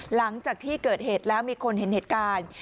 หลังจากที่เกิดเหตุแล้วมีคนเห็นเหตุการณ์